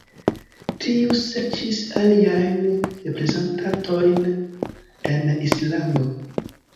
Tiu serĉis aliajn reprezentantojn en Islando.